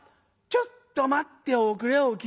ちょっと待っておくれお清。